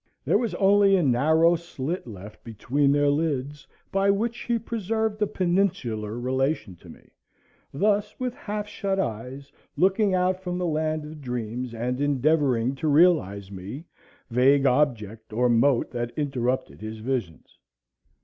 There was only a narrow slit left between their lids, by which he preserved a peninsular relation to me; thus, with half shut eyes, looking out from the land of dreams, and endeavoring to realize me, vague object or mote that interrupted his visions.